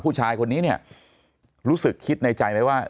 ผู้ชายคนนี้เนี่ยรู้สึกคิดในใจไหมว่า